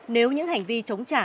nếu những hành vi chống trả